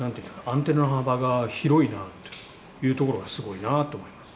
アンテナの幅が広いなというところがすごいなと思います」